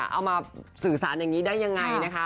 เอามาสื่อสารอย่างนี้ได้ยังไงนะคะ